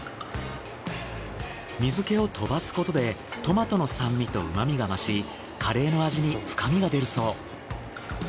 水気を飛ばすことでトマトの酸味と旨味が増しカレーの味に深みが出るそう。